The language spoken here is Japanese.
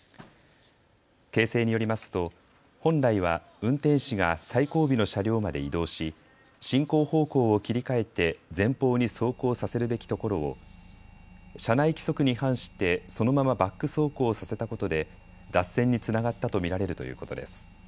京成によりますと、本来は運転士が最後尾の車両まで移動し、進行方向を切り替えて前方に走行させるべきところを、社内規則に反してそのままバック走行をさせたことで脱線につながったと見られるということです。